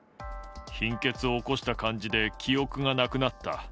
貧血を起こした感じで記憶がなくなった。